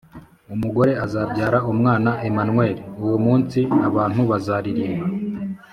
umugore azabyara umwana, emanueli. uwo munsi abantubazaririmba